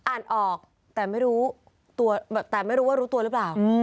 อ่านออกแต่ไม่รู้ว่ารู้ตัวหรือเปล่า